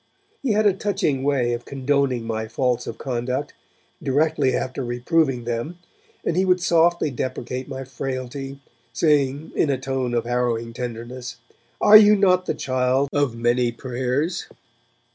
He had a touching way of condoning my faults of conduct, directly after reproving them, and he would softly deprecate my frailty, saying, in a tone of harrowing tenderness, 'Are you not the child of many prayers?'